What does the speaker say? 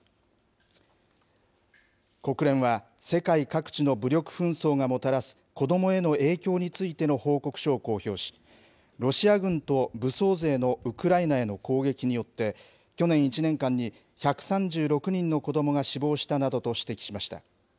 国連は、世界各地の武力紛争がもたらす子どもへの影響についての報告書を公表し、ロシア軍と武装勢のウクライナへの攻撃によって、去年１年間に１３６人の子どもが死亡したなどと指摘しました。